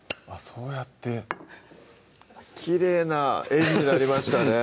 そうやってきれいな円になりましたね